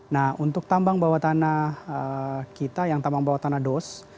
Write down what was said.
nah untuk tambang bawah tanah kita yang tambang bawah tanah dos